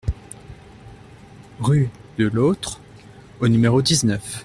Rue de l'Authre au numéro dix-neuf